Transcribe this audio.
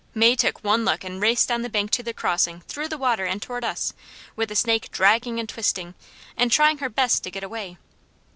May took one look and raced down the bank to the crossing, through the water, and toward us, with the snake dragging and twisting, and trying her best to get away.